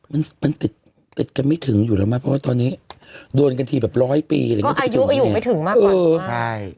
มันมันติดติดกันไม่ถึงอยู่แล้วไหมเพราะว่าตอนนี้โดนกันทีแบบร้อยปีอะไรอย่างเงี้อายุอยู่ไม่ถึงมากกว่าเออใช่